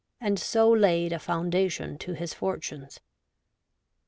and so laid a foundation to his fortunes.